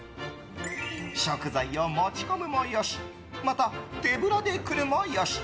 食材を持ち込むもよしまた、手ぶらで来るもよし。